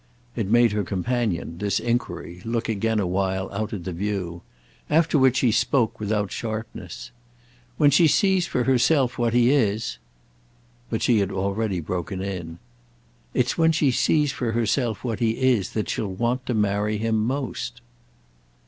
It made her companion, this enquiry, look again a while out at the view; after which he spoke without sharpness. "When she sees for herself what he is—" But she had already broken in. "It's when she sees for herself what he is that she'll want to marry him most."